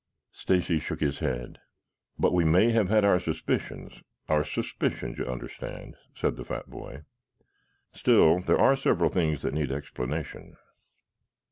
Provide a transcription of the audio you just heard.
Stacy shook his head. "But we may have had our suspicions our suspicions, you understand?" said the fat boy. "Still, there are several things that need explanation."